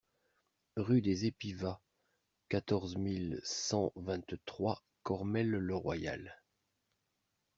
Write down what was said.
Rue des Épivas, quatorze mille cent vingt-trois Cormelles-le-Royal